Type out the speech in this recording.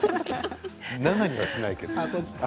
７にはしないけど。